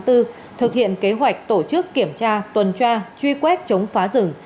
thực hiện kế hoạch tổ chức kiểm tra tuần tra truy quét chống phá rừng